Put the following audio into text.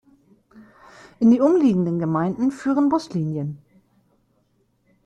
In die umliegenden Gemeinden führen Buslinien.